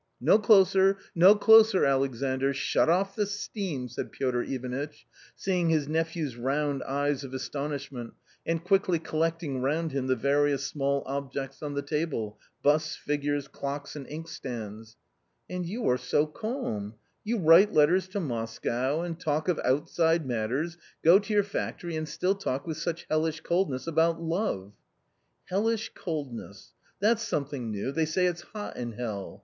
74 A COMMON STORY " No closer, no closer, Alexandr, shut off the steam I " said Piotr Ivanitch, seeing his nephew's round eyes of as tonishment and quickly collecting round him the various small objects on the table—b usts, figures, clocks, a nd ink stands. ] tr Shd you are so calm ! you write letters to Moscow, and talk of outside matters, go to your factory and still talk with such hellish coldness about love !"" Hellish coldness — that's something new, they say it's hot in hell.